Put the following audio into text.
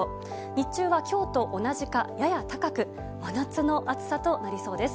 日中は、今日と同じかやや高く真夏の暑さとなりそうです。